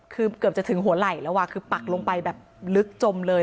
คือเกือบจะถึงหัวไหล่แล้วคือปักลงไปแบบลึกจมเลย